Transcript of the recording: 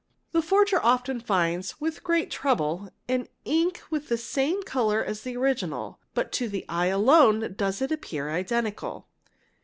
The forger often finds (with great trouble) an inl with the same colour as the original but to the eye alone does it appear identical.